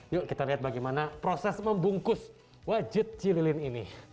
yuk kita lihat bagaimana proses membungkus wajit cililin ini